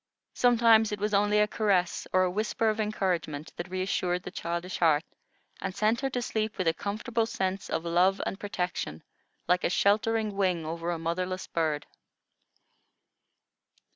Sometimes it was only a caress or a whisper of encouragement, that re assured the childish heart, and sent her to sleep with a comfortable sense of love and protection, like a sheltering wing over a motherless bird.